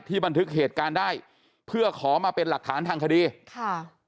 บันทึกเหตุการณ์ได้เพื่อขอมาเป็นหลักฐานทางคดีค่ะ